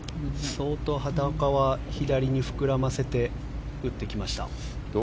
相当畑岡は左に膨らませて打ってきました。